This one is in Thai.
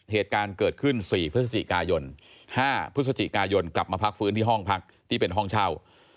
เหตุการณ์เกิดขึ้น๔พฤศจิกายน๕พฤศจิกายนกลับมาพักฟื้นที่ห้องพักที่เป็นห้องเช่า